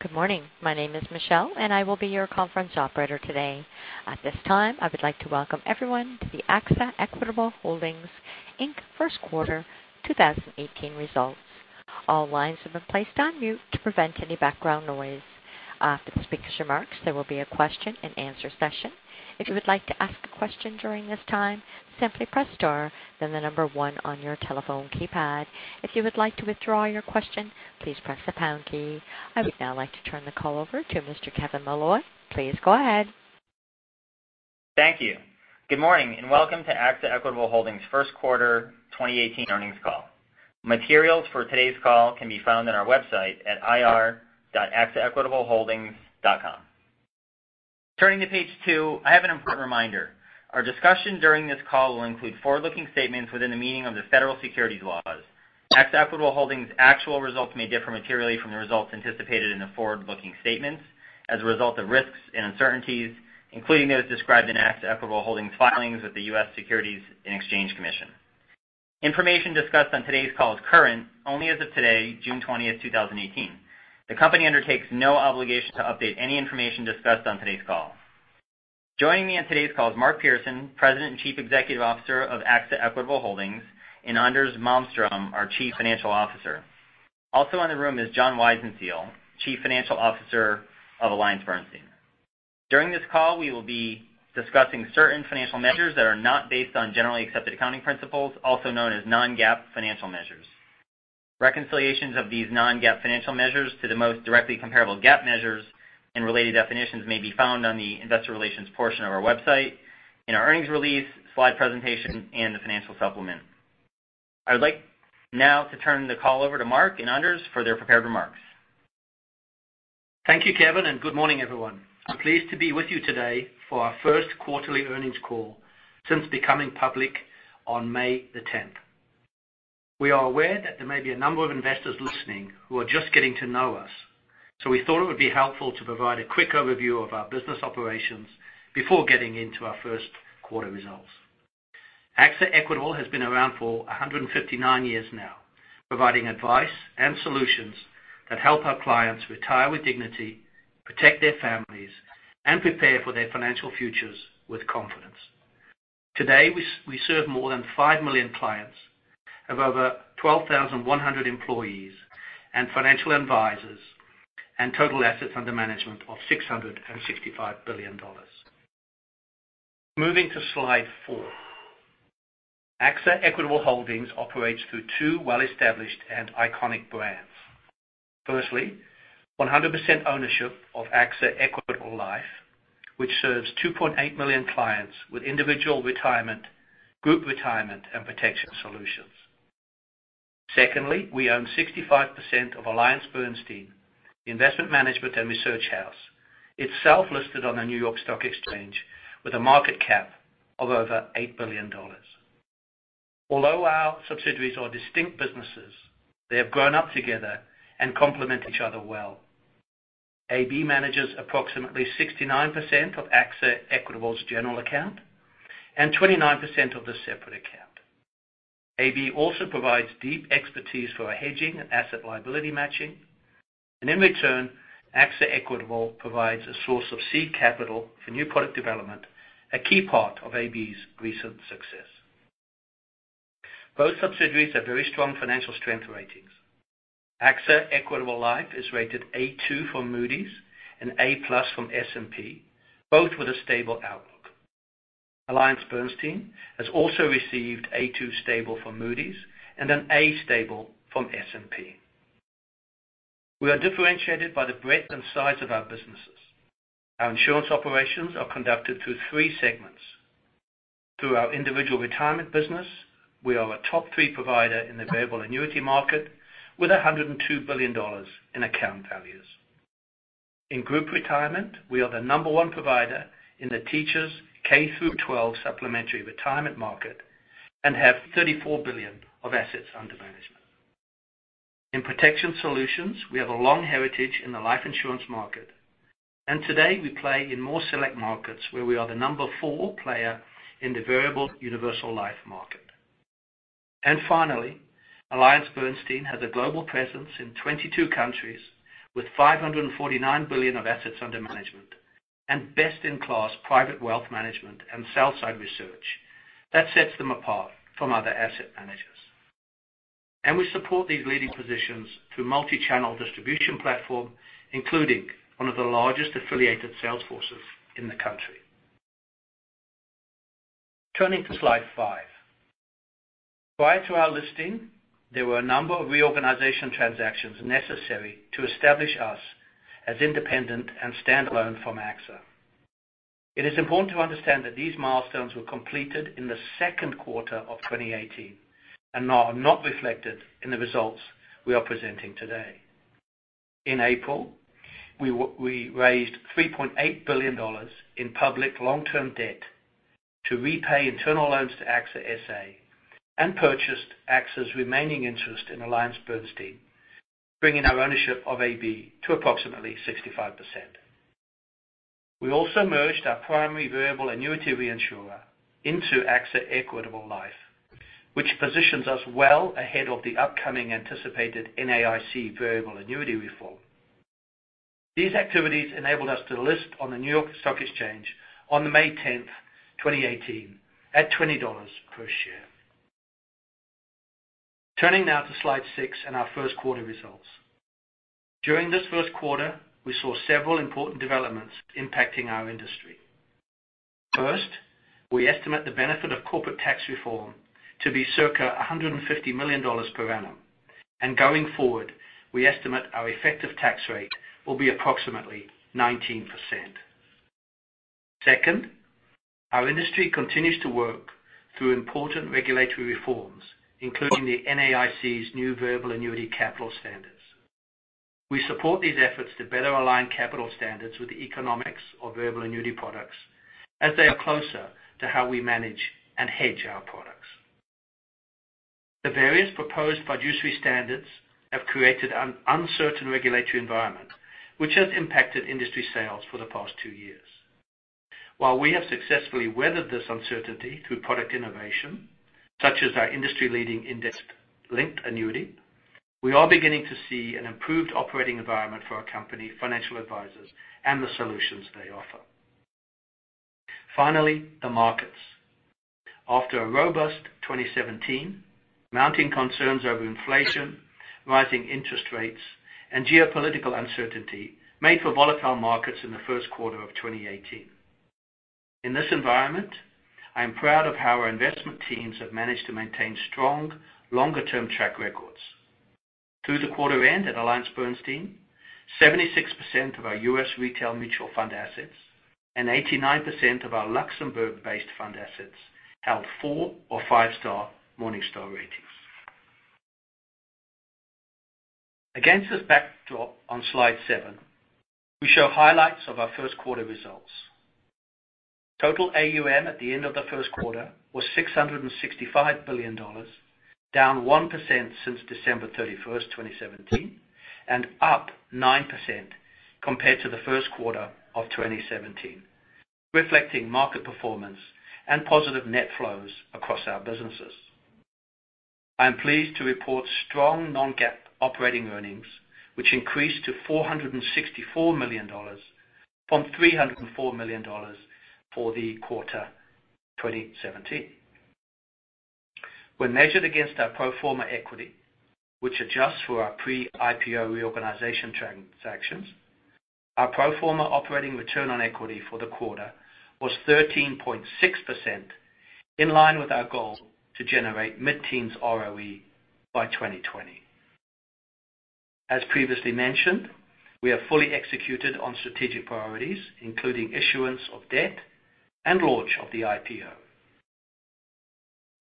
Good morning. My name is Michelle, and I will be your conference operator today. At this time, I would like to welcome everyone to the AXA Equitable Holdings Inc. First Quarter 2018 Results. All lines have been placed on mute to prevent any background noise. After the speaker's remarks, there will be a question and answer session. If you would like to ask a question during this time, simply press star, then the number one on your telephone keypad. If you would like to withdraw your question, please press the pound key. I would now like to turn the call over to Mr. Kevin Molloy. Please go ahead. Thank you. Good morning, and welcome to AXA Equitable Holdings First Quarter 2018 earnings call. Materials for today's call can be found on our website at ir.axaequitableholdings.com. Turning to page two, I have an important reminder. Our discussion during this call will include forward-looking statements within the meaning of the federal securities laws. AXA Equitable Holdings' actual results may differ materially from the results anticipated in the forward-looking statements, as a result of risks and uncertainties, including those described in AXA Equitable Holdings' filings with the U.S. Securities and Exchange Commission. Information discussed on today's call is current only as of today, June 20th, 2018. The company undertakes no obligation to update any information discussed on today's call. Joining me on today's call is Mark Pearson, President and Chief Executive Officer of AXA Equitable Holdings, and Anders Malmström, our Chief Financial Officer. Also in the room is John Weisenseel, Chief Financial Officer of AllianceBernstein. During this call, we will be discussing certain financial measures that are not based on generally accepted accounting principles, also known as non-GAAP financial measures. Reconciliations of these non-GAAP financial measures to the most directly comparable GAAP measures and related definitions may be found on the investor relations portion of our website, in our earnings release, slide presentation, and the financial supplement. I would like now to turn the call over to Mark and Anders for their prepared remarks. Thank you, Kevin, and good morning, everyone. I'm pleased to be with you today for our first quarterly earnings call since becoming public on May the 10th. We are aware that there may be a number of investors listening who are just getting to know us, so we thought it would be helpful to provide a quick overview of our business operations before getting into our first quarter results. AXA Equitable has been around for 159 years now, providing advice and solutions that help our clients retire with dignity, protect their families, and prepare for their financial futures with confidence. Today, we serve more than 5 million clients, have over 12,100 employees and financial advisors, and total assets under management of $665 billion. Moving to slide four. AXA Equitable Holdings operates through two well-established and iconic brands. Firstly, 100% ownership of AXA Equitable Life, which serves 2.8 million clients with individual retirement, group retirement, and protection solutions. Secondly, we own 65% of AllianceBernstein, the investment management and research house. It's self-listed on the New York Stock Exchange with a market cap of over $8 billion. Although our subsidiaries are distinct businesses, they have grown up together and complement each other well. AB manages approximately 69% of AXA Equitable's general account and 29% of the separate account. AB also provides deep expertise for our hedging and asset liability matching, and in return, AXA Equitable provides a source of seed capital for new product development, a key part of AB's recent success. Both subsidiaries have very strong financial strength ratings. AXA Equitable Life is rated A2 from Moody's and A+ from S&P, both with a stable outlook. AllianceBernstein has also received A2 stable from Moody's and an A stable from S&P. We are differentiated by the breadth and size of our businesses. Our insurance operations are conducted through three segments. Through our individual retirement business, we are a top three provider in the variable annuity market with $102 billion in account values. In group retirement, we are the number one provider in the teachers K through 12 supplementary retirement market and have $34 billion of assets under management. In protection solutions, we have a long heritage in the life insurance market. Today we play in more select markets where we are the number four player in the variable universal life market. Finally, AllianceBernstein has a global presence in 22 countries with $549 billion of assets under management and best-in-class private wealth management and sell-side research that sets them apart from other asset managers. We support these leading positions through multi-channel distribution platform, including one of the largest affiliated sales forces in the country. Turning to slide five. Prior to our listing, there were a number of reorganization transactions necessary to establish us as independent and standalone from AXA. It is important to understand that these milestones were completed in the second quarter of 2018 and are not reflected in the results we are presenting today. In April, we raised $3.8 billion in public long-term debt to repay internal loans to AXA SA and purchased AXA's remaining interest in AllianceBernstein, bringing our ownership of AB to approximately 65%. We also merged our primary variable annuity reinsurer into AXA Equitable Life, which positions us well ahead of the upcoming anticipated NAIC variable annuity reform. These activities enabled us to list on the New York Stock Exchange on the May 10th, 2018, at $20 per share. Turning now to slide six and our first quarter results. During this first quarter, we saw several important developments impacting our industry. First, we estimate the benefit of corporate tax reform to be circa $150 million per annum. Going forward, we estimate our effective tax rate will be approximately 19%. Second, our industry continues to work through important regulatory reforms, including the NAIC's new variable annuity capital standards. We support these efforts to better align capital standards with the economics of variable annuity products as they are closer to how we manage and hedge our products. The various proposed fiduciary standards have created an uncertain regulatory environment, which has impacted industry sales for the past two years. While we have successfully weathered this uncertainty through product innovation, such as our industry-leading index-linked annuity, we are beginning to see an improved operating environment for our company, financial advisors, and the solutions they offer. Finally, the markets. After a robust 2017, mounting concerns over inflation, rising interest rates, and geopolitical uncertainty made for volatile markets in the first quarter of 2018. In this environment, I am proud of how our investment teams have managed to maintain strong, longer term track records. Through the quarter end at AllianceBernstein, 76% of our U.S. retail mutual fund assets and 89% of our Luxembourg-based fund assets held four or five-star Morningstar ratings. Against this backdrop on slide seven, we show highlights of our first quarter results. Total AUM at the end of the first quarter was $665 billion, down 1% since December 31, 2017, and up 9% compared to the first quarter of 2017, reflecting market performance and positive net flows across our businesses. I am pleased to report strong non-GAAP operating earnings, which increased to $464 million from $304 million for the quarter 2017. When measured against our pro forma equity, which adjusts for our pre-IPO reorganization transactions, our pro forma operating return on equity for the quarter was 13.6%, in line with our goal to generate mid-teens ROE by 2020. As previously mentioned, we have fully executed on strategic priorities, including issuance of debt and launch of the IPO.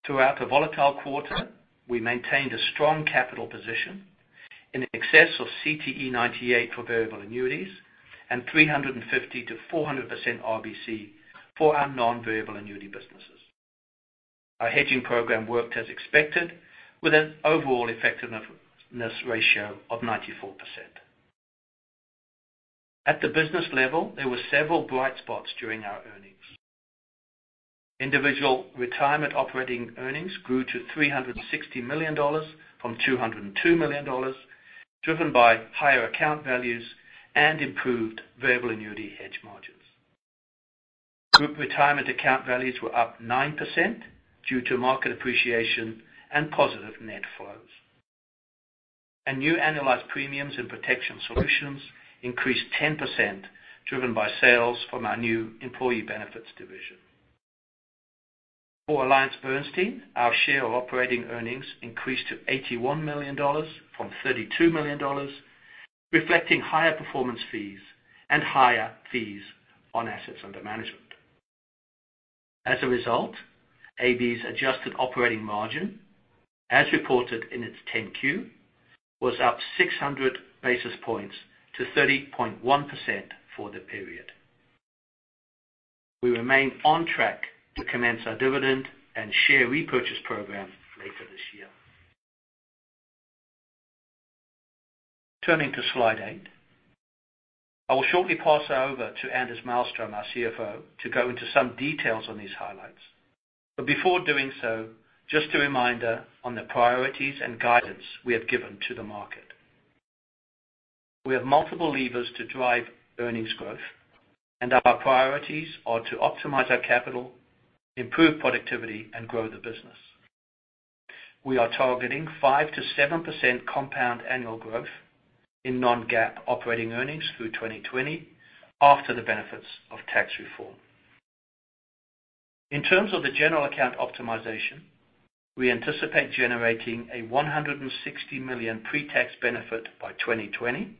Throughout the volatile quarter, we maintained a strong capital position in excess of CTE 98 for variable annuities and 350%-400% RBC for our non-variable annuity businesses. Our hedging program worked as expected with an overall effectiveness ratio of 94%. At the business level, there were several bright spots during our earnings. Individual retirement operating earnings grew to $360 million from $202 million, driven by higher account values and improved variable annuity hedge margins. Group retirement account values were up 9% due to market appreciation and positive net flows. New analyzed premiums and protection solutions increased 10%, driven by sales from our new employee benefits division. For AllianceBernstein, our share of operating earnings increased to $81 million from $32 million, reflecting higher performance fees and higher fees on assets under management. As a result, AB's adjusted operating margin, as reported in its 10-Q, was up 600 basis points to 30.1% for the period. We remain on track to commence our dividend and share repurchase program later this year. Turning to slide eight. I will shortly pass over to Anders Malmström, our CFO, to go into some details on these highlights. Before doing so, just a reminder on the priorities and guidance we have given to the market. We have multiple levers to drive earnings growth. Our priorities are to optimize our capital, improve productivity, and grow the business. We are targeting 5%-7% compound annual growth in non-GAAP operating earnings through 2020 after the benefits of tax reform. In terms of the general account optimization, we anticipate generating a $160 million pre-tax benefit by 2020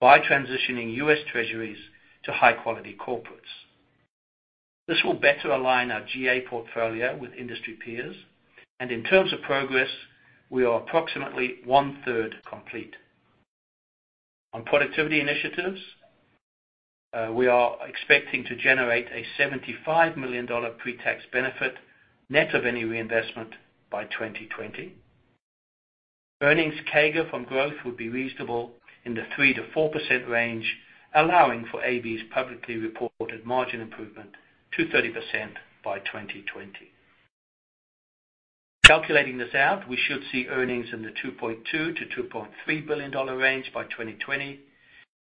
by transitioning U.S. treasuries to high-quality corporates. This will better align our GA portfolio with industry peers. In terms of progress, we are approximately one-third complete. On productivity initiatives, we are expecting to generate a $75 million pre-tax benefit net of any reinvestment by 2020. Earnings CAGR from growth would be reasonable in the 3%-4% range, allowing for AB's publicly reported margin improvement to 30% by 2020. Calculating this out, we should see earnings in the $2.2 billion-$2.3 billion range by 2020,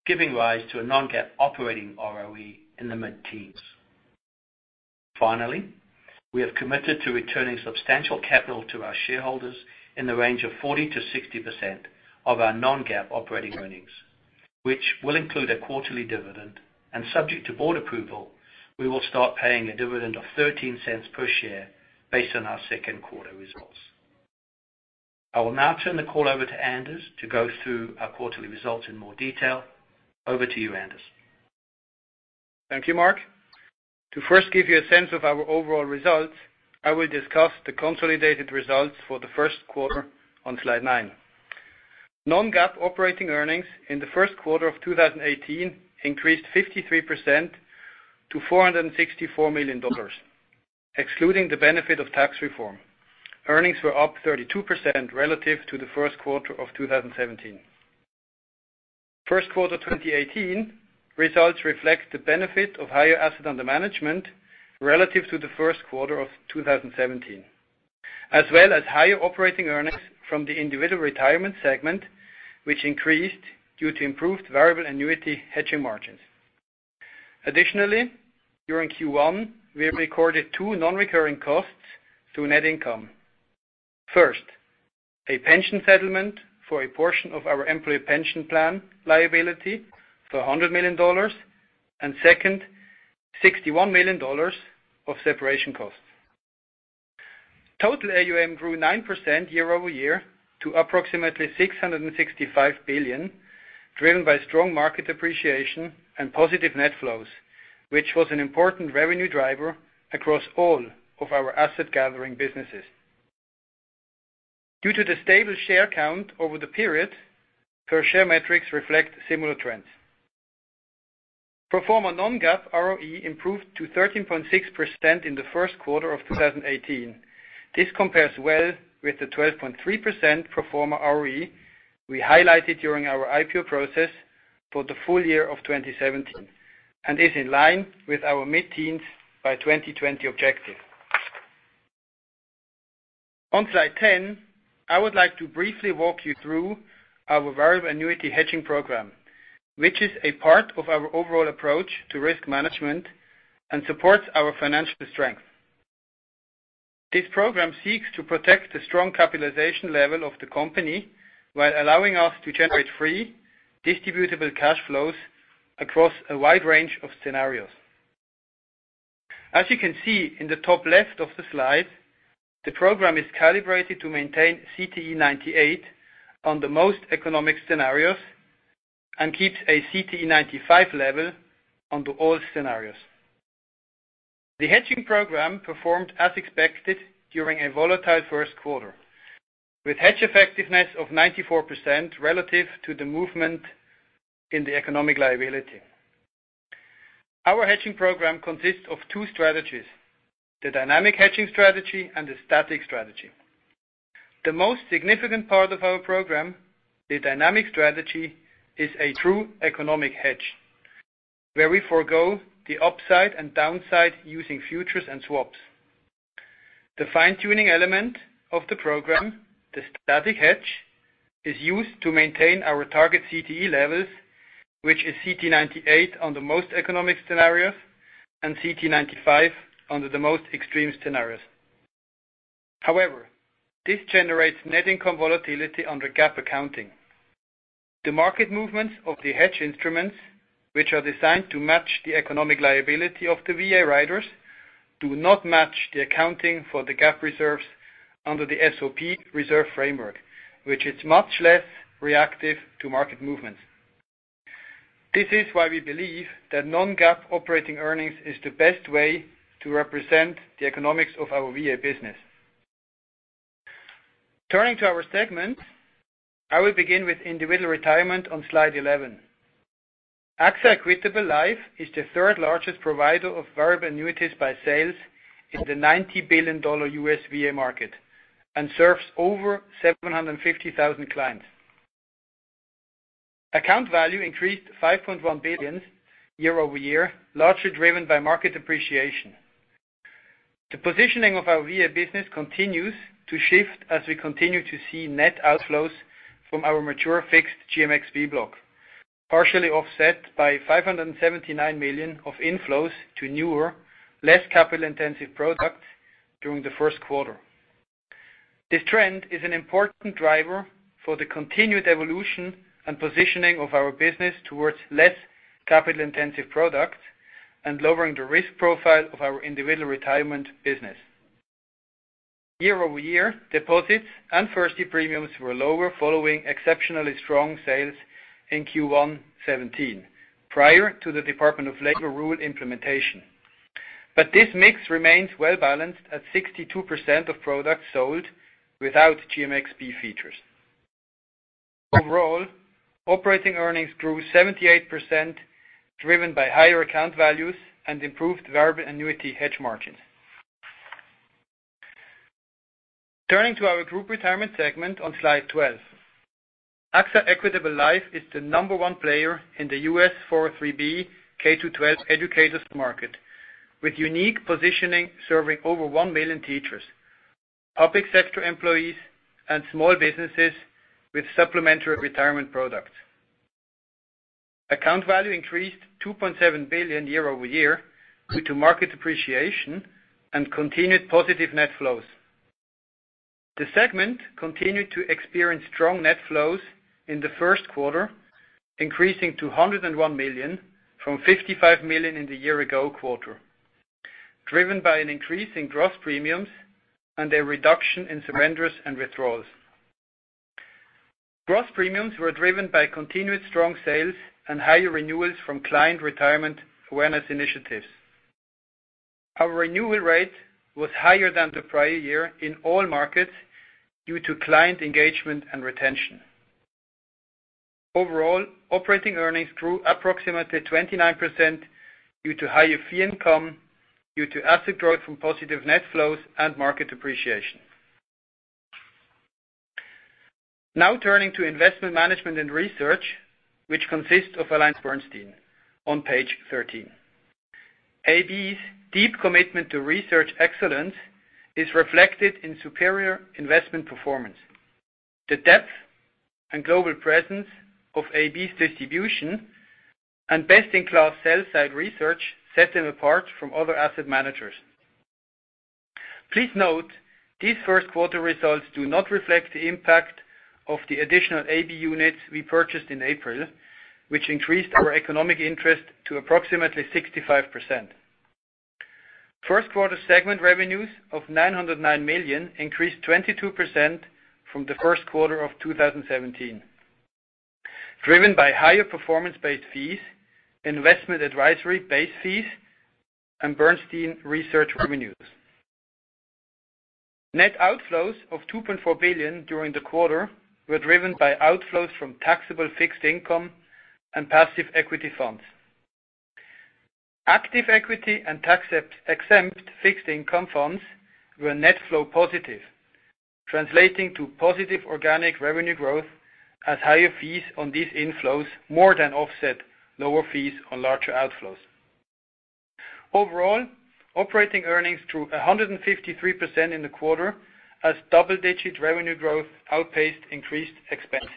giving rise to a non-GAAP operating ROE in the mid-teens. Finally, we have committed to returning substantial capital to our shareholders in the range of 40%-60% of our non-GAAP operating earnings, which will include a quarterly dividend, and subject to board approval, we will start paying a dividend of $0.13 per share based on our second quarter results. I will now turn the call over to Anders to go through our quarterly results in more detail. Over to you, Anders. Thank you, Mark. To first give you a sense of our overall results, I will discuss the consolidated results for the first quarter on slide nine. Non-GAAP operating earnings in the first quarter of 2018 increased 53% to $464 million. Excluding the benefit of tax reform, earnings were up 32% relative to the first quarter of 2017. First quarter 2018 results reflect the benefit of higher assets under management relative to the first quarter of 2017, as well as higher operating earnings from the individual retirement segment, which increased due to improved variable annuity hedging margins. Additionally, during Q1, we have recorded two non-recurring costs to net income. First, a pension settlement for a portion of our employee pension plan liability for $100 million, and second, $61 million of separation costs. Total AUM grew 9% year-over-year to approximately $665 billion, driven by strong market appreciation and positive net flows, which was an important revenue driver across all of our asset-gathering businesses. Due to the stable share count over the period, per share metrics reflect similar trends. Pro forma non-GAAP ROE improved to 13.6% in the first quarter of 2018. This compares well with the 12.3% pro forma ROE we highlighted during our IPO process for the full year of 2017 and is in line with our mid-teens by 2020 objective. On slide 10, I would like to briefly walk you through our variable annuity hedging program, which is a part of our overall approach to risk management and supports our financial strength. This program seeks to protect the strong capitalization level of the company while allowing us to generate free distributable cash flows across a wide range of scenarios. As you can see in the top left of the slide, the program is calibrated to maintain CTE 98 on the most economic scenarios and keeps a CTE 95 level under all scenarios. The hedging program performed as expected during a volatile first quarter, with hedge effectiveness of 94% relative to the movement in the economic liability. Our hedging program consists of two strategies, the dynamic hedging strategy and the static strategy. The most significant part of our program, the dynamic strategy, is a true economic hedge, where we forgo the upside and downside using futures and swaps. The fine-tuning element of the program, the static hedge, is used to maintain our target CTE levels, which is CTE 98 on the most economic scenarios and CTE 95 under the most extreme scenarios. However, this generates net income volatility under GAAP accounting. The market movements of the hedge instruments, which are designed to match the economic liability of the VA riders, do not match the accounting for the GAAP reserves under the SOP reserve framework, which is much less reactive to market movements. This is why we believe that non-GAAP operating earnings is the best way to represent the economics of our VA business. Turning to our segment, I will begin with individual retirement on slide 11. AXA Equitable Life is the third largest provider of variable annuities by sales in the $90 billion U.S. VA market and serves over 750,000 clients. Account value increased $5.1 billion year-over-year, largely driven by market appreciation. The positioning of our VA business continues to shift as we continue to see net outflows from our mature fixed GMXB block, partially offset by $579 million of inflows to newer, less capital-intensive products during the first quarter. This trend is an important driver for the continued evolution and positioning of our business towards less capital-intensive products and lowering the risk profile of our individual retirement business. Year-over-year, deposits and first-year premiums were lower following exceptionally strong sales in Q1 2017, prior to the Department of Labor rule implementation. This mix remains well-balanced at 62% of products sold without GMXB features. Overall, operating earnings grew 78%, driven by higher account values and improved variable annuity hedge margins. Turning to our group retirement segment on slide 12. AXA Equitable Life is the number one player in the U.S. 403(b) K-12 educators market, with unique positioning, serving over one million teachers, public sector employees, and small businesses with supplementary retirement products. Account value increased $2.7 billion year-over-year due to market appreciation and continued positive net flows. The segment continued to experience strong net flows in the first quarter, increasing to $101 million from $55 million in the year ago quarter, driven by an increase in gross premiums and a reduction in surrenders and withdrawals. Gross premiums were driven by continued strong sales and higher renewals from client retirement awareness initiatives. Our renewal rate was higher than the prior year in all markets due to client engagement and retention. Overall, operating earnings grew approximately 29% due to higher fee income, due to asset growth from positive net flows and market appreciation. Turning to investment management and research, which consists of AllianceBernstein on page 13. AB's deep commitment to research excellence is reflected in superior investment performance. The depth and global presence of AB's distribution and best-in-class sell-side research set them apart from other asset managers. Please note these first quarter results do not reflect the impact of the additional AB units we purchased in April, which increased our economic interest to approximately 65%. First quarter segment revenues of $909 million increased 22% from the first quarter of 2017, driven by higher performance-based fees, investment advisory base fees, and Bernstein research revenues. Net outflows of $2.4 billion during the quarter were driven by outflows from taxable fixed income and passive equity funds. Active equity and tax-exempt fixed income funds were net flow positive, translating to positive organic revenue growth as higher fees on these inflows more than offset lower fees on larger outflows. Overall, operating earnings grew 153% in the quarter as double-digit revenue growth outpaced increased expenses.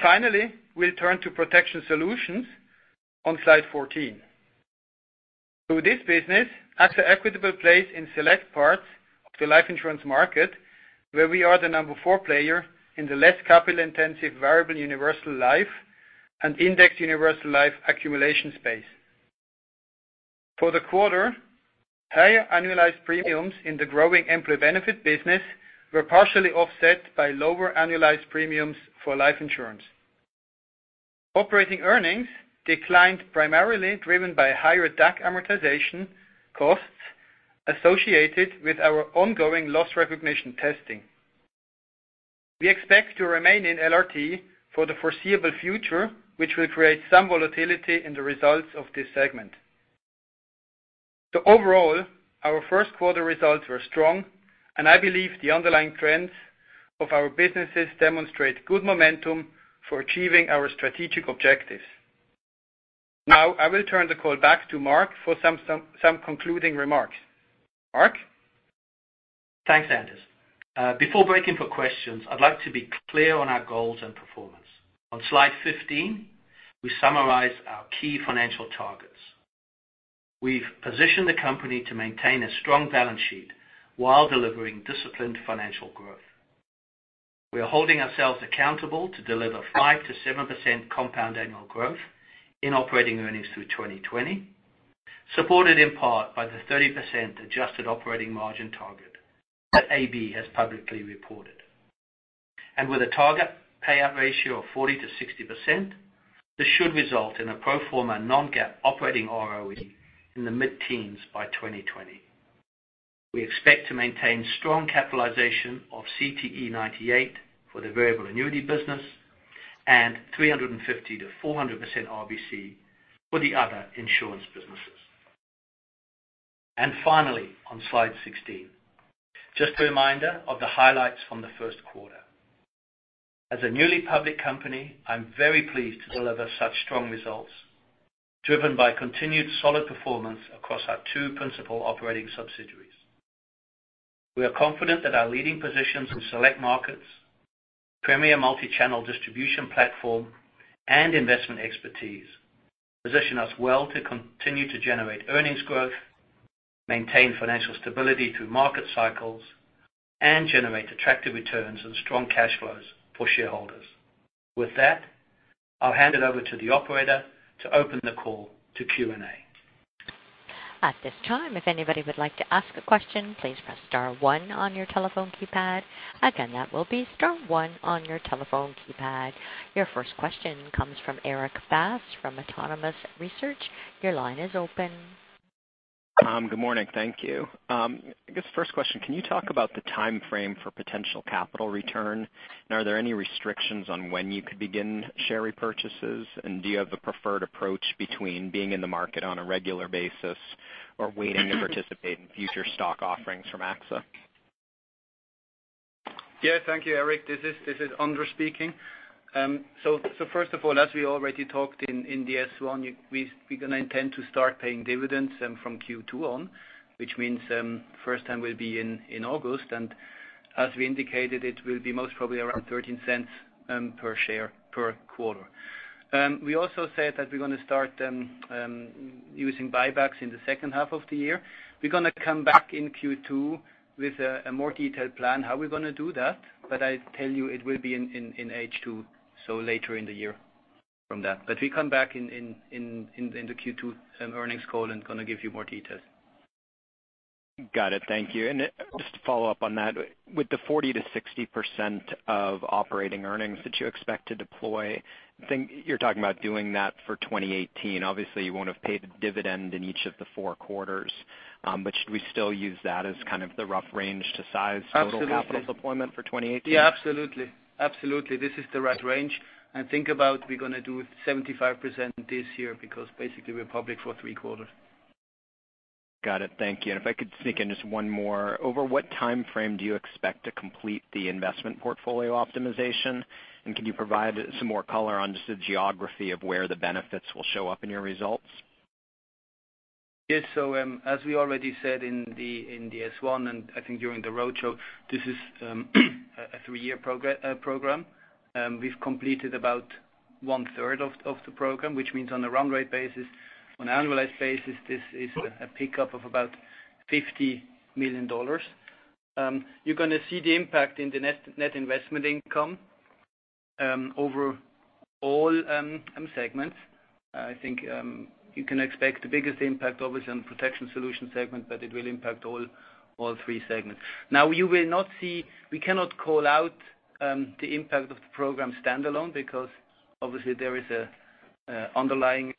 Finally, we'll turn to protection solutions on slide 14. Through this business, AXA Equitable plays in select parts of the life insurance market, where we are the number 4 player in the less capital-intensive variable universal life and Indexed Universal Life accumulation space. For the quarter, higher annualized premiums in the growing employee benefit business were partially offset by lower annualized premiums for life insurance. Operating earnings declined primarily driven by higher DAC amortization costs associated with our ongoing loss recognition testing. We expect to remain in LRT for the foreseeable future, which will create some volatility in the results of this segment. Overall, our first quarter results were strong, and I believe the underlying trends of our businesses demonstrate good momentum for achieving our strategic objectives. Now, I will turn the call back to Mark for some concluding remarks. Mark? Thanks, Anders Malmström. Before breaking for questions, I'd like to be clear on our goals and performance. On slide 15, we summarize our key financial targets. We've positioned the company to maintain a strong balance sheet while delivering disciplined financial growth. We are holding ourselves accountable to deliver 5%-7% compound annual growth in operating earnings through 2020, supported in part by the 30% adjusted operating margin target that AB has publicly reported. With a target payout ratio of 40%-60%, this should result in a pro forma non-GAAP operating ROE in the mid-teens by 2020. We expect to maintain strong capitalization of CTE 98 for the variable annuity business and 350%-400% RBC for the other insurance businesses. Finally, on slide 16, just a reminder of the highlights from the first quarter. As a newly public company, I'm very pleased to deliver such strong results, driven by continued solid performance across our two principal operating subsidiaries. We are confident that our leading positions in select markets, premier multi-channel distribution platform, and investment expertise position us well to continue to generate earnings growth, maintain financial stability through market cycles, and generate attractive returns and strong cash flows for shareholders. With that, I'll hand it over to the operator to open the call to Q&A. At this time, if anybody would like to ask a question, please press star one on your telephone keypad. Again, that will be star one on your telephone keypad. Your first question comes from Erik Bass from Autonomous Research. Your line is open. Mark, good morning. Thank you. I guess the first question, can you talk about the timeframe for potential capital return? Are there any restrictions on when you could begin share repurchases? Do you have a preferred approach between being in the market on a regular basis or waiting to participate in future stock offerings from AXA? Thank you, Erik. This is Anders speaking. First of all, as we already talked in the S-1, we going to intend to start paying dividends from Q2 on, which means first time will be in August. As we indicated, it will be most probably around $0.13 per share per quarter. We also said that we're going to start using buybacks in the second half of the year. We're going to come back in Q2 with a more detailed plan how we're going to do that, but I tell you it will be in H2, so later in the year from that. We come back in the Q2 earnings call and going to give you more details. Got it. Thank you. Just to follow up on that, with the 40%-60% of operating earnings that you expect to deploy, I think you're talking about doing that for 2018. Obviously, you won't have paid a dividend in each of the four quarters. Should we still use that as kind of the rough range to size- Absolutely total capital deployment for 2018? Yeah, absolutely. Absolutely. This is the right range. Think about we're going to do 75% this year because basically we're public for three quarters. Got it. Thank you. If I could sneak in just one more. Over what timeframe do you expect to complete the investment portfolio optimization? Can you provide some more color on just the geography of where the benefits will show up in your results? Yes. As we already said in the S-1, and I think during the roadshow, this is a three-year program. We've completed about one third of the program, which means on a run rate basis, on an annualized basis, this is a pickup of about $50 million. You're going to see the impact in the net investment income over all segments. I think you can expect the biggest impact obviously on protection solution segment, but it will impact all three segments. We cannot call out the impact of the program standalone because obviously there is an underlying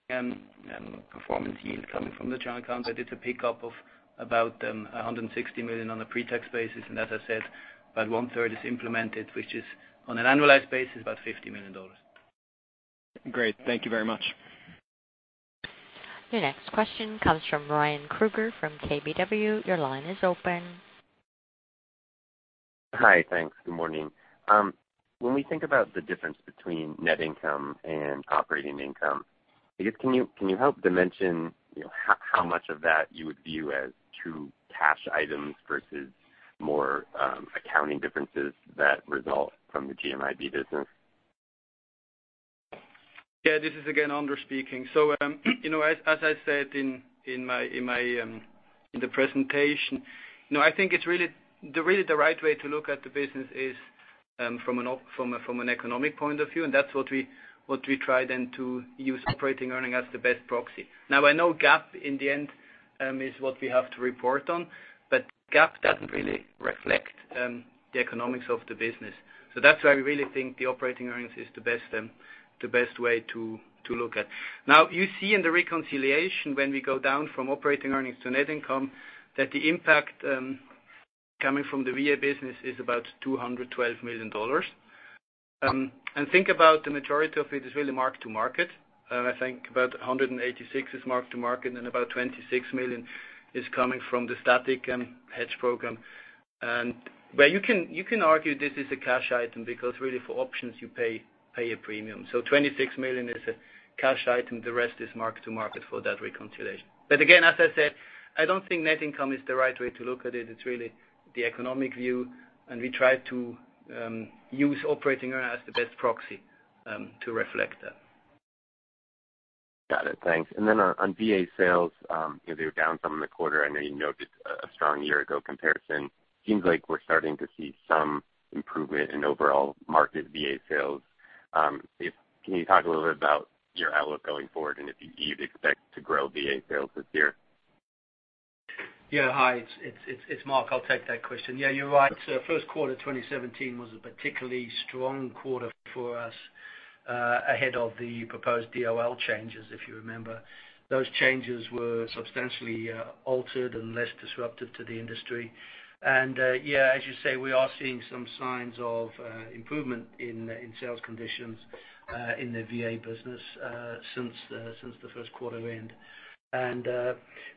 performance yield coming from the joint account that is a pickup of about $160 million on a pre-tax basis. As I said, about one third is implemented, which is on an annualized basis, about $50 million. Great. Thank you very much. Your next question comes from Ryan Krueger from KBW. Your line is open. Hi. Thanks. Good morning. When we think about the difference between net income and operating income, I guess, can you help dimension how much of that you would view as true cash items versus more accounting differences that result from the GMIB business? Yeah. This is again, Andres speaking. As I said in the presentation, I think the really the right way to look at the business is from an economic point of view. That's what we try then to use operating earning as the best proxy. I know GAAP in the end is what we have to report on, but GAAP doesn't really reflect the economics of the business. That's why we really think the operating earnings is the best way to look at. You see in the reconciliation when we go down from operating earnings to net income, that the impact coming from the VA business is about $212 million. Think about the majority of it is really mark-to-market. I think about $186 million is mark to market and about $26 million is coming from the static hedge program. You can argue this is a cash item because really for options you pay a premium. $26 million is a cash item. The rest is mark to market for that reconciliation. Again, as I said, I don't think net income is the right way to look at it. It's really the economic view, and we try to use operating earnings as the best proxy to reflect that. Got it. Thanks. On VA sales, they were down some in the quarter. I know you noted a strong year-ago comparison. Seems like we're starting to see some improvement in overall market VA sales. Can you talk a little bit about your outlook going forward and if you expect to grow VA sales this year? Hi, it's Mark. I'll take that question. You're right. First quarter 2017 was a particularly strong quarter for us, ahead of the proposed DOL changes, if you remember. Those changes were substantially altered and less disruptive to the industry. As you say, we are seeing some signs of improvement in sales conditions in the VA business since the first quarter end.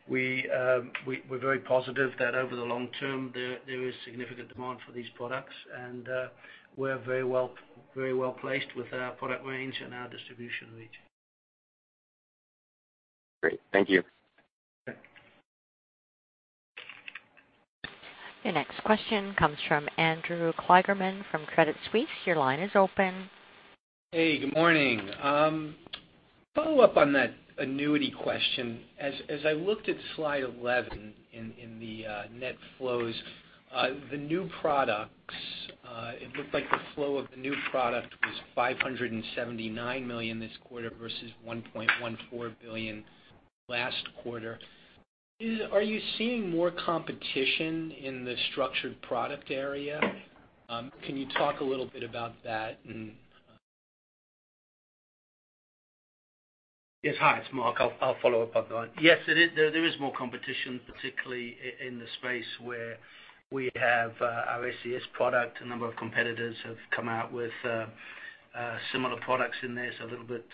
We're very positive that over the long term, there is significant demand for these products and we're very well-placed with our product range and our distribution reach. Great. Thank you. Okay. Your next question comes from Andrew Kligerman from Credit Suisse. Your line is open. Hey, good morning. Follow up on that annuity question. As I looked at slide 11 in the net flows, the new products, it looked like the flow of the new product was $579 million this quarter versus $1.14 billion last quarter. Are you seeing more competition in the structured product area? Can you talk a little bit about that and Yes. Hi, it's Mark. I'll follow up on that. Yes, there is more competition, particularly in the space where we have our SCS product. A number of competitors have come out with similar products in there, a little bit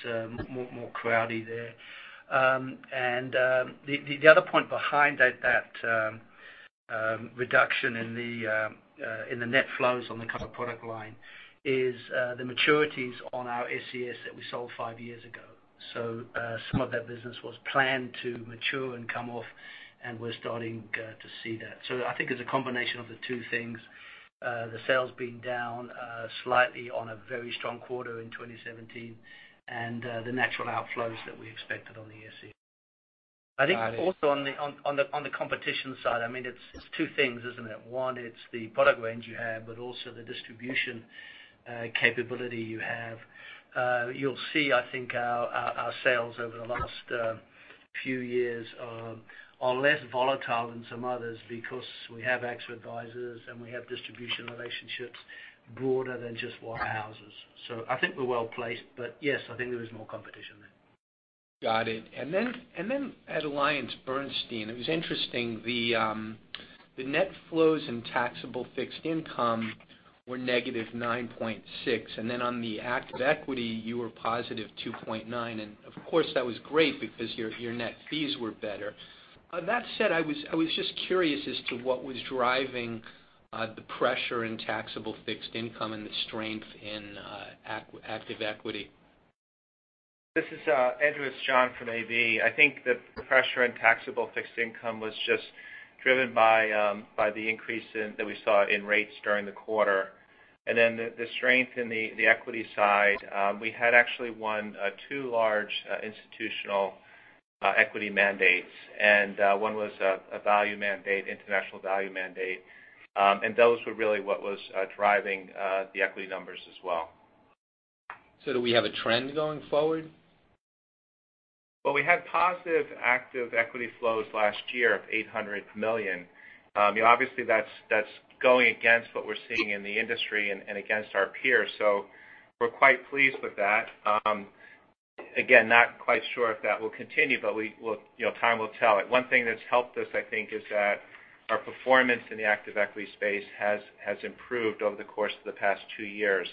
more crowded there. The other point behind that reduction in the net flows on the current product line is the maturities on our SCS that we sold five years ago. Some of that business was planned to mature and come off, and we're starting to see that. I think it's a combination of the two things, the sales being down slightly on a very strong quarter in 2017, and the natural outflows that we expected on the SCS. Also on the competition side, it's two things, isn't it? One, it's the product range you have, but also the distribution capability you have. You'll see, I think our sales over the last few years are less volatile than some others because we have AXA Advisors and we have distribution relationships broader than just wire houses. I think we're well-placed. Yes, I think there is more competition there. Got it. At AllianceBernstein, it was interesting, the net flows in taxable fixed income were -$9.6, on the active equity, you were +$2.9, of course, that was great because your net fees were better. That said, I was just curious as to what was driving the pressure in taxable fixed income and the strength in active equity? This is Andrew St. John from AB. I think that the pressure in taxable fixed income was just driven by the increase that we saw in rates during the quarter. The strength in the equity side, we had actually won two large institutional equity mandates, and one was a value mandate, international value mandate. Those were really what was driving the equity numbers as well. Do we have a trend going forward? Well, we had positive active equity flows last year of $800 million. Obviously, that's going against what we're seeing in the industry and against our peers. We're quite pleased with that. Again, not quite sure if that will continue, but time will tell. One thing that's helped us, I think, is that our performance in the active equity space has improved over the course of the past two years.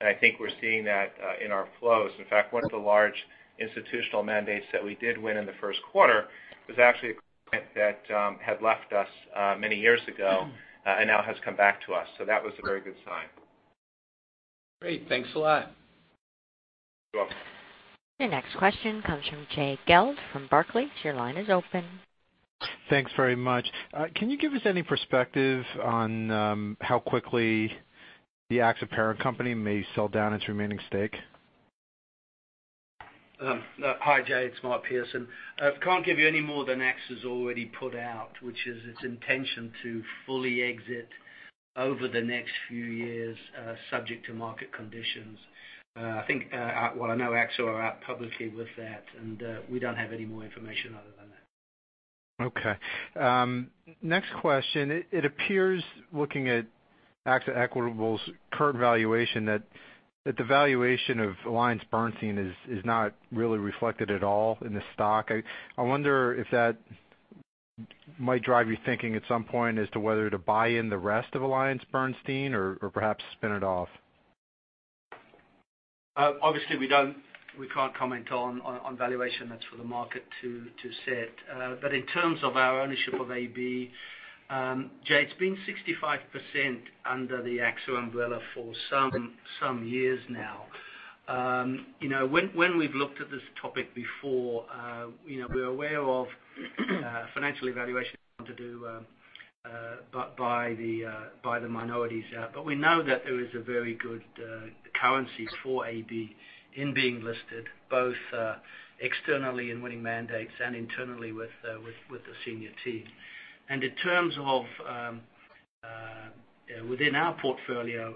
I think we're seeing that in our flows. In fact, one of the large institutional mandates that we did win in the first quarter was actually a client that had left us many years ago and now has come back to us. That was a very good sign. Great. Thanks a lot. You're welcome. The next question comes from Jay Gelb from Barclays. Your line is open. Thanks very much. Can you give us any perspective on how quickly the AXA parent company may sell down its remaining stake? Hi, Jay. It's Mark Pearson. Can't give you any more than AXA's already put out, which is its intention to fully exit over the next few years, subject to market conditions. I think, well, I know AXA are out publicly with that. We don't have any more information other than that. Okay. Next question. It appears, looking at AXA Equitable's current valuation, that the valuation of AllianceBernstein is not really reflected at all in the stock. I wonder if that might drive you thinking at some point as to whether to buy in the rest of AllianceBernstein or perhaps spin it off. Obviously we can't comment on valuation. That's for the market to set. In terms of our ownership of AB, Jay, it's been 65% under the AXA umbrella for some years now. When we've looked at this topic before, we're aware of financial evaluation, want to do, but by the minorities. We know that there is a very good currency for AB in being listed, both externally in winning mandates and internally with the senior team. In terms of within our portfolio,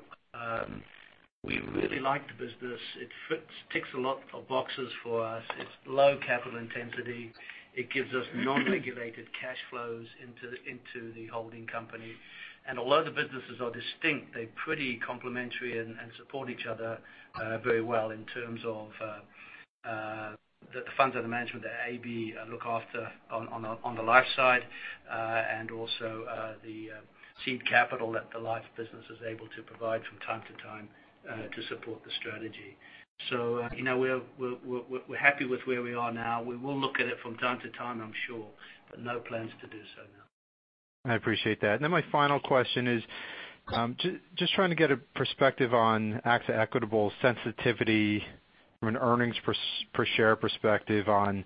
we really like the business. It ticks a lot of boxes for us. It's low capital intensity. It gives us non-regulated cash flows into the holding company. Although the businesses are distinct, they're pretty complementary and support each other very well in terms of the funds under the management that AB look after on the life side, and also the seed capital that the life business is able to provide from time to time, to support the strategy. We're happy with where we are now. We will look at it from time to time, I'm sure, but no plans to do so now. I appreciate that. My final question is, just trying to get a perspective on AXA Equitable sensitivity from an earnings per share perspective on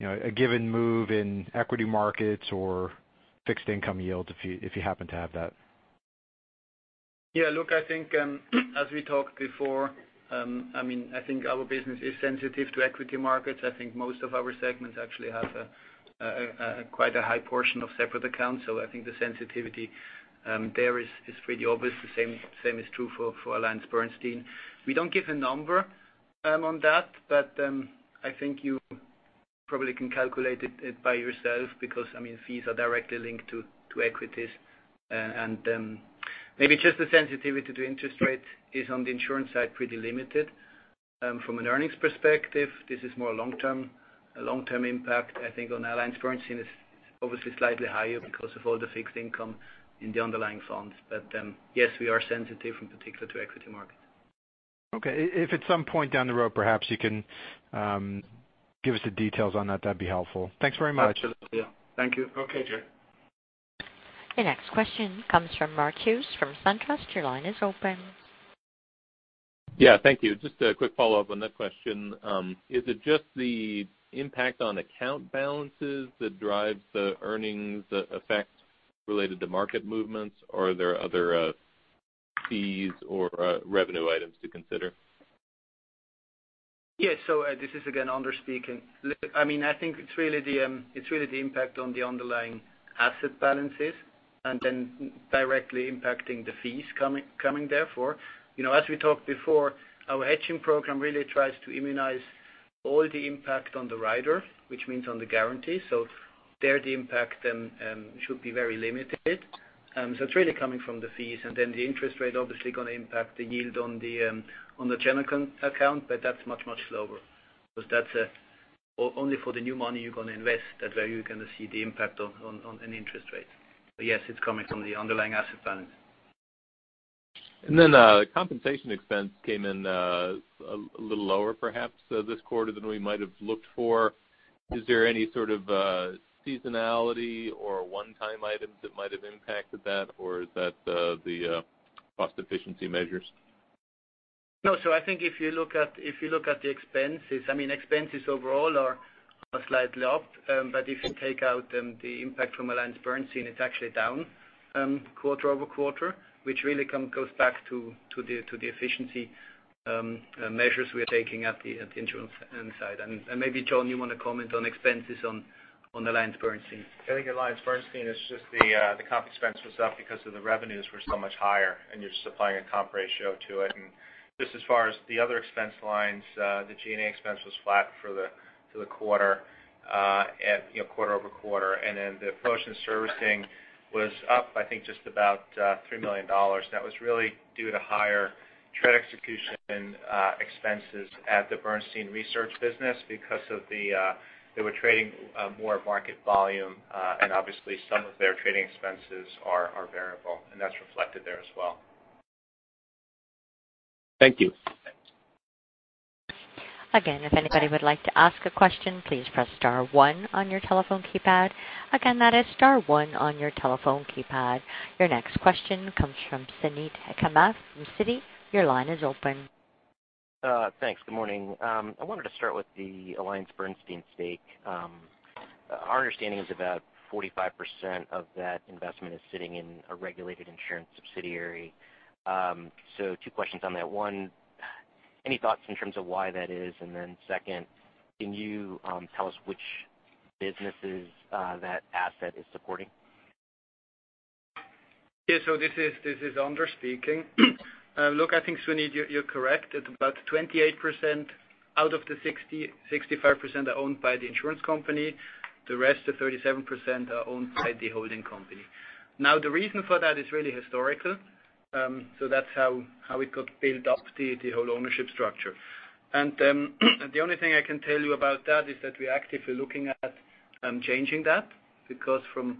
a given move in equity markets or fixed income yields, if you happen to have that. Yeah, look, I think as we talked before, I think our business is sensitive to equity markets. I think most of our segments actually have quite a high portion of separate accounts. I think the sensitivity there is pretty obvious. The same is true for AllianceBernstein. We don't give a number on that, but I think You probably can calculate it by yourself because fees are directly linked to equities. Maybe just the sensitivity to interest rate is, on the insurance side, pretty limited. From an earnings perspective, this is more a long-term impact, I think on AllianceBernstein is obviously slightly higher because of all the fixed income in the underlying funds. Yes, we are sensitive, in particular to equity market. Okay. If at some point down the road, perhaps you can give us the details on that'd be helpful. Thanks very much. Absolutely. Thank you. Okay, Jay. The next question comes from Mark Hughes from SunTrust. Your line is open. Yeah, thank you. Just a quick follow-up on that question. Is it just the impact on account balances that drives the earnings effect related to market movements? Or are there other fees or revenue items to consider? Yeah. This is again, Anders speaking. I think it's really the impact on the underlying asset balances directly impacting the fees coming, therefore. As we talked before, our hedging program really tries to immunize all the impact on the rider, which means on the guarantee. There, the impact should be very limited. It's really coming from the fees the interest rate obviously going to impact the yield on the general account, but that's much, much lower. Because that's only for the new money you're going to invest, that's where you're going to see the impact on an interest rate. Yes, it's coming from the underlying asset balance. compensation expense came in a little lower perhaps this quarter than we might have looked for. Is there any sort of seasonality or one-time items that might have impacted that, or is that the cost efficiency measures? I think if you look at the expenses overall are slightly up. If you take out the impact from AllianceBernstein, it's actually down quarter-over-quarter, which really goes back to the efficiency measures we are taking at the insurance side. Maybe, John, you want to comment on expenses on AllianceBernstein? I think at AllianceBernstein, it's just the comp expense was up because of the revenues were so much higher, and you're just applying a comp ratio to it. Just as far as the other expense lines, the G&A expense was flat for the quarter-over-quarter. The promotion and servicing was up, I think just about $3 million. That was really due to higher trade execution expenses at the Bernstein research business because they were trading more market volume. Obviously, some of their trading expenses are variable, and that's reflected there as well. Thank you. Thanks. Again, if anybody would like to ask a question, please press star one on your telephone keypad. Again, that is star one on your telephone keypad. Your next question comes from Suneet Kamath from Citigroup. Your line is open. Thanks. Good morning. I wanted to start with the AllianceBernstein stake. Our understanding is about 45% of that investment is sitting in a regulated insurance subsidiary. Two questions on that. One, any thoughts in terms of why that is? Second, can you tell us which businesses that asset is supporting? This is Andre speaking. Look, I think Suneet, you're correct. It's about 28% out of the 65% are owned by the insurance company. The rest of 37% are owned by the holding company. The reason for that is really historical. That's how we could build up the whole ownership structure. The only thing I can tell you about that is that we're actively looking at changing that, because from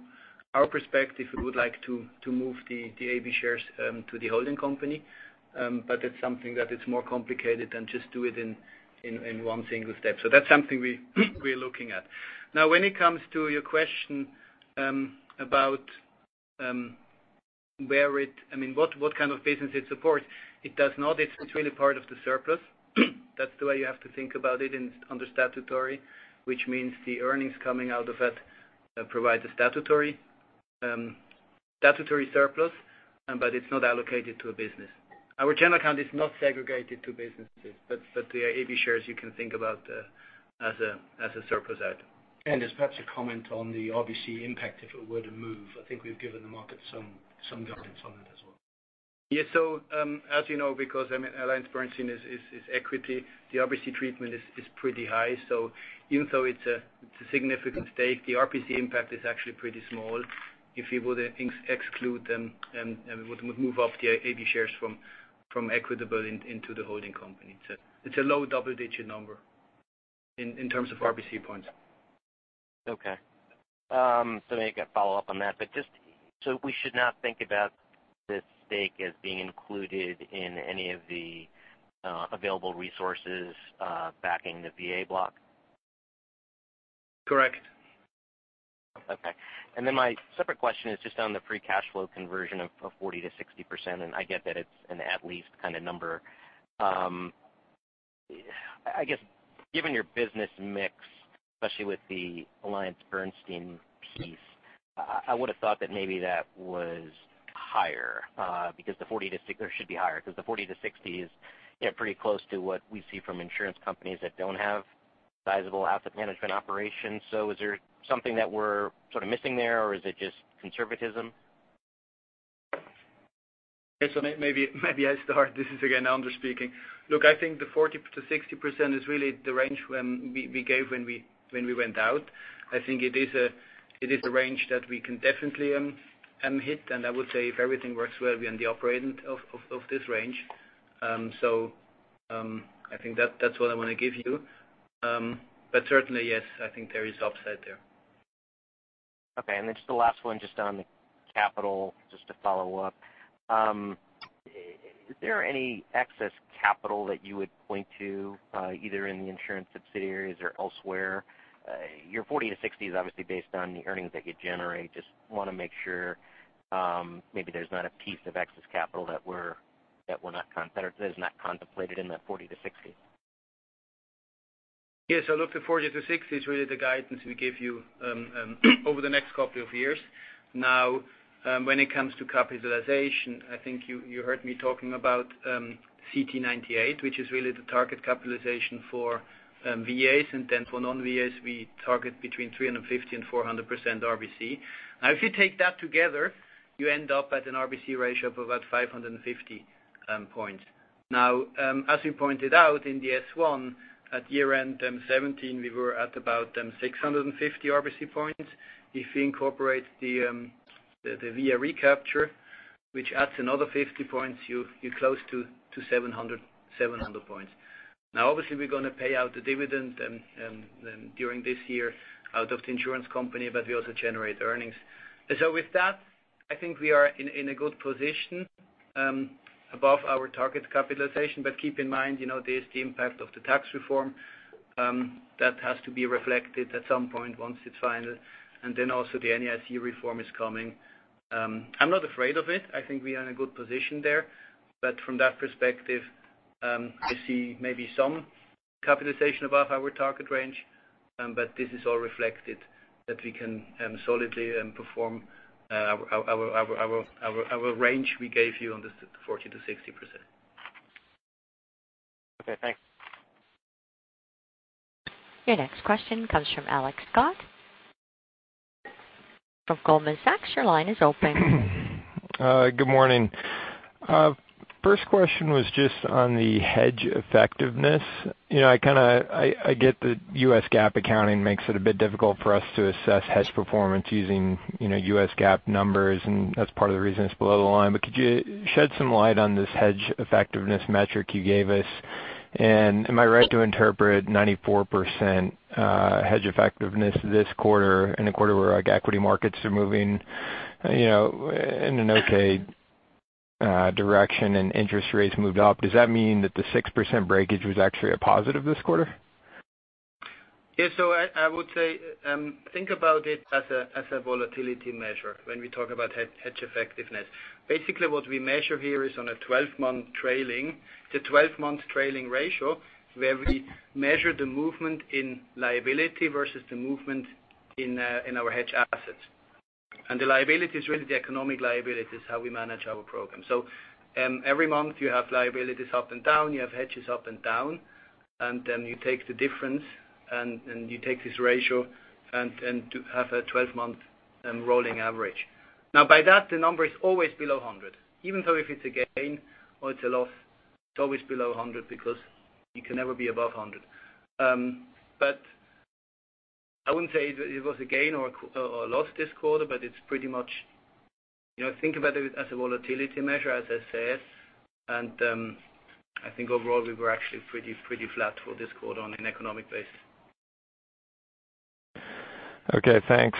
our perspective, we would like to move the AB shares to the holding company. It's something that it's more complicated than just do it in one single step. That's something we are looking at. When it comes to your question about what kind of business it supports. It's really part of the surplus. That's the way you have to think about it under statutory, which means the earnings coming out of it provides a statutory surplus, but it's not allocated to a business. Our general account is not segregated to businesses, but the AB shares you can think about as a surplus item. As perhaps a comment on the RBC impact, if it were to move. I think we've given the market some guidance on that as well. As you know, because AllianceBernstein is equity, the RBC treatment is pretty high. Even though it's a significant stake, the RBC impact is actually pretty small. If you were to exclude them and we would move up the AB shares from Equitable into the holding company. It's a low double-digit number in terms of RBC points. Okay. Suneet, a follow-up on that. Just so we should not think about this stake as being included in any of the available resources backing the VA block? Correct. Okay. My separate question is just on the free cash flow conversion of 40%-60%. I get that it's an at least kind of number. I guess, given your business mix, especially with the AllianceBernstein piece, I would have thought that maybe that was higher, or should be higher, because the 40%-60% is pretty close to what we see from insurance companies that don't have sizable asset management operations. Is there something that we're sort of missing there, or is it just conservatism? Yes, maybe I start. This is again, Anders speaking. I think the 40%-60% is really the range we gave when we went out. I think it is a range that we can definitely hit, and I would say if everything works well, we are in the upper end of this range. I think that's what I want to give you. Certainly, yes, I think there is upside there. Okay. Just the last one, just on the capital, just to follow up. Is there any excess capital that you would point to, either in the insurance subsidiaries or elsewhere? Your 40-60 is obviously based on the earnings that you generate. Just want to make sure, maybe there's not a piece of excess capital that is not contemplated in that 40-60. Yes. The 40-60 is really the guidance we gave you over the next couple of years. Now, when it comes to capitalization, I think you heard me talking about CTE 98, which is really the target capitalization for VAs, and then for non-VAs, we target between 350% and 400% RBC. Now, if you take that together, you end up at an RBC ratio of about 550 points. Now, as you pointed out, in the S-1, at year-end 2017, we were at about 650 RBC points. If you incorporate the VA recapture, which adds another 50 points, you're close to 700 points. Now, obviously, we're going to pay out the dividend during this year out of the insurance company, but we also generate earnings. With that, I think we are in a good position above our target capitalization. Keep in mind, there's the impact of the tax reform that has to be reflected at some point once it's final. Also the NAIC reform is coming. I'm not afraid of it. I think we are in a good position there. From that perspective, I see maybe some capitalization above our target range. This is all reflected that we can solidly perform our range we gave you on the 40%-60%. Okay, thanks. Your next question comes from Alex Scott from Goldman Sachs. Your line is open. Good morning. First question was just on the hedge effectiveness. I get that US GAAP accounting makes it a bit difficult for us to assess hedge performance using US GAAP numbers, and that's part of the reason it's below the line. Could you shed some light on this hedge effectiveness metric you gave us? Am I right to interpret 94% hedge effectiveness this quarter in a quarter where equity markets are moving in an okay direction and interest rates moved up? Does that mean that the 6% breakage was actually a positive this quarter? Yeah. I would say, think about it as a volatility measure when we talk about hedge effectiveness. Basically, what we measure here is on a 12-month trailing. It's a 12-month trailing ratio where we measure the movement in liability versus the movement in our hedged assets. The liability is really the economic liability, is how we manage our program. Every month, you have liabilities up and down, you have hedges up and down, and then you take the difference, and you take this ratio and have a 12-month rolling average. By that, the number is always below 100. Even so if it's a gain or it's a loss, it's always below 100 because you can never be above 100. I wouldn't say it was a gain or a loss this quarter, Think about it as a volatility measure, as I said. I think overall, we were actually pretty flat for this quarter on an economic base. Okay, thanks.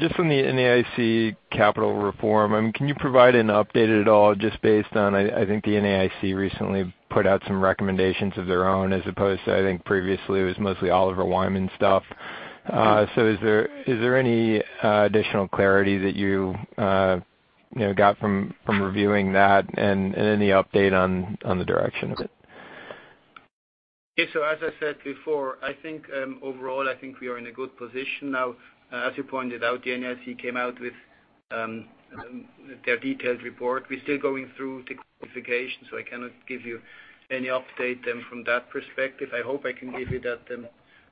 Just on the NAIC capital reform, can you provide an update at all just based on, I think the NAIC recently put out some recommendations of their own, as opposed to, I think previously it was mostly Oliver Wyman stuff. Is there any additional clarity that you got from reviewing that and any update on the direction of it? Yeah. As I said before, I think overall, I think we are in a good position now. As you pointed out, the NAIC came out with their detailed report. We're still going through the classification, so I cannot give you any update from that perspective. I hope I can give you that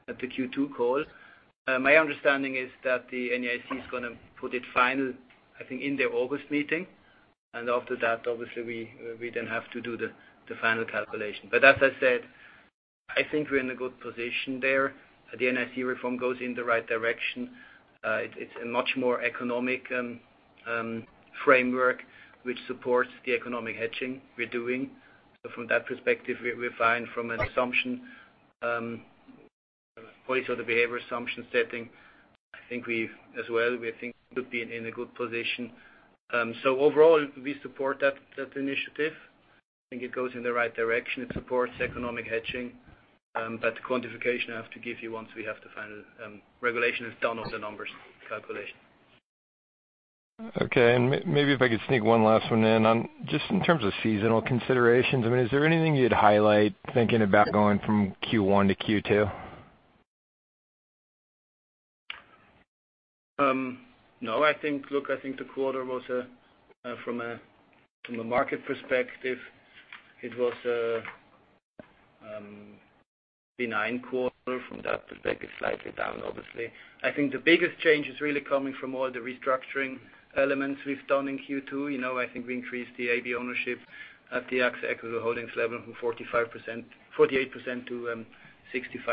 at the Q2 call. My understanding is that the NAIC is going to put it final, I think, in their August meeting. After that, obviously we then have to do the final calculation. As I said, I think we're in a good position there. The NAIC reform goes in the right direction. It's a much more economic framework which supports the economic hedging we're doing. From that perspective, we're fine. From an assumption, policy or the behavior assumption setting, I think we, as well, we think we could be in a good position. Overall, we support that initiative. I think it goes in the right direction. It supports economic hedging. Quantification, I have to give you once we have the final regulation is done on the numbers calculation. Okay. Maybe if I could sneak one last one in. Just in terms of seasonal considerations, is there anything you'd highlight thinking about going from Q1 to Q2? No. Look, I think the quarter was, from a market perspective, it was a benign quarter from that perspective, slightly down, obviously. I think the biggest change is really coming from all the restructuring elements we've done in Q2. I think we increased the AB ownership at the AXA Equitable Holdings level from 48% to 65%.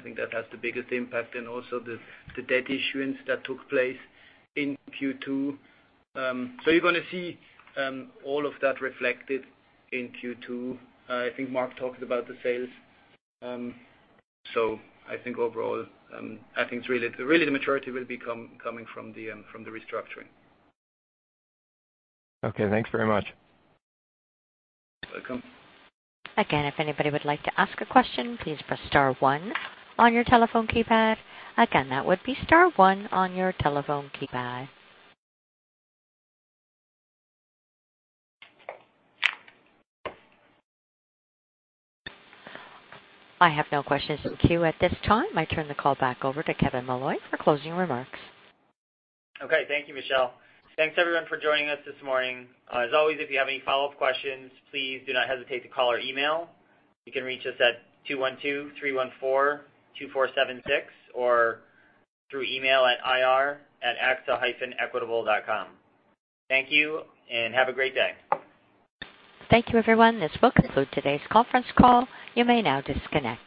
I think that has the biggest impact. Also the debt issuance that took place in Q2. You're going to see all of that reflected in Q2. I think Mark talked about the sales. I think overall, I think really the maturity will be coming from the restructuring. Okay, thanks very much. Welcome. Again, if anybody would like to ask a question, please press star one on your telephone keypad. Again, that would be star one on your telephone keypad. I have no questions in queue at this time. I turn the call back over to Kevin Molloy for closing remarks. Okay, thank you, Michelle. Thanks, everyone for joining us this morning. As always, if you have any follow-up questions, please do not hesitate to call or email. You can reach us at 212-314-2476 or through email at ir@axa-equitable.com. Thank you, and have a great day. Thank you, everyone. This will conclude today's conference call. You may now disconnect.